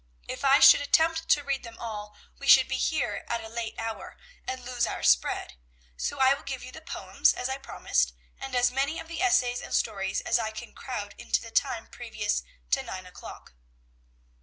If I should attempt to read them all, we should be here at a late hour, and lose our spread, so I will give you the poems, as I promised, and as many of the essays and stories as I can crowd into the time previous to nine o'clock."